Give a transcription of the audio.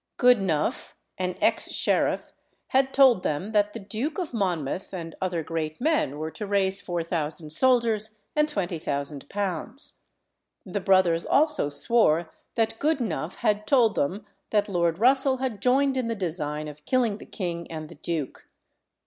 Goodenough, an ex sheriff, had told them that the Duke of Monmouth and other great men were to raise 4000 soldiers and £20,000. The brothers also swore that Goodenough had told them that Lord Russell had joined in the design of killing the king and the duke.